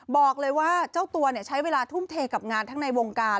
บอกเลยว่าเจ้าตัวใช้เวลาทุ่มเทกับงานทั้งในวงการ